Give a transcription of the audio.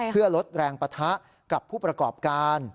เพื่อลดแรงปะทะกับผู้ประกอบการ